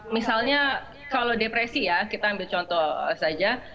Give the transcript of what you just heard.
misalnya kalau depresi ya kita ambil contoh saja